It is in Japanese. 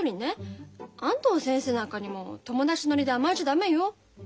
安藤先生なんかにも友達ノリで甘えちゃ駄目よ。